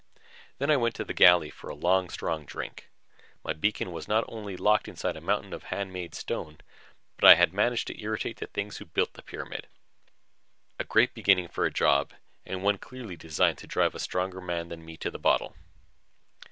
Then I went to the galley for a long, strong drink. My beacon was not only locked inside a mountain of handmade stone, but I had managed to irritate the things who had built the pyramid. A great beginning for a job and one clearly designed to drive a stronger man than me to the bottle.